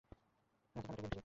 আচ্ছা, তাহলে একটা গেম খেলি।